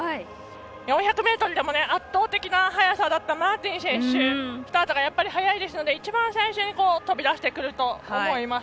４００ｍでも圧倒的な速さだったマーティン選手、スタートがやっぱり速いですので一番最初に飛び出してくると思います。